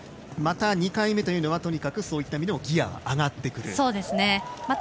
また、２回目というのはとにかくそういった意味でもギヤが上がってくる。